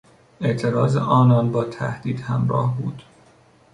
اعتراض آنان با تهدید همراه بود.